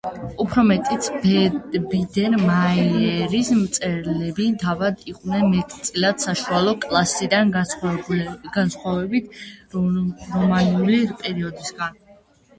უფრო მეტიც, ბიდერმაიერის მწერლები თავად იყვნენ მეტწილად საშუალო კლასიდან, განსხვავებით რომანული პერიოდისგან.